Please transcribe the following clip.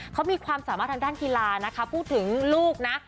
เขามีความสามารถทางด้านกีฬานะคะพูดถึงลูกนะ